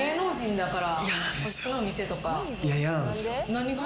だから。